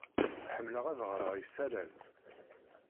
Ḥemmleɣ ad ɣreɣ isalan.